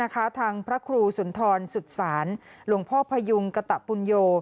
ทางพระครูสุนทรสุสานหลวงพ่อพยุงกะตะปุญโย